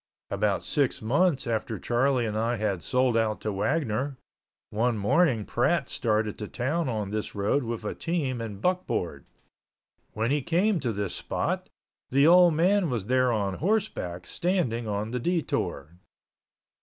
About six months after Charlie and I had sold out to Wagner, one morning Pratt started to town on this road with a team and buckboard. When he came to this spot, the old man was there on horseback, standing on the detour.